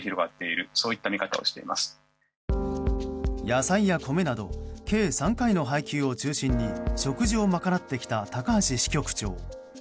野菜や米など計３回の配給を中心に食事をまかなってきた高橋支局長。